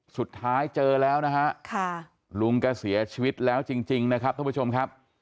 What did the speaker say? สุดท้ายเจอแล้วนะฮะลุงแกเสียชีวิตแล้วจริงนะครับท่านผู้ชมครับ